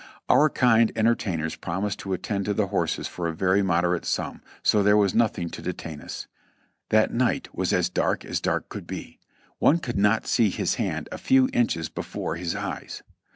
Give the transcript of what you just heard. Our kind entertainers promised to attend to the horses for a very moderate sum, so there was nothing to detain us. That night was as dark as dark could be; one could not see his hand a few inches before his eyes.